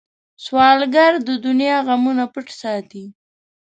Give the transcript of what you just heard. سوالګر د دنیا غمونه پټ ساتي